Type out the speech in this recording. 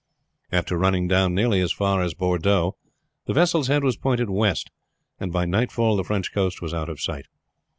After running down nearly as far as Bordeaux the vessel's head was pointed west, and by nightfall the French coast was out of sight.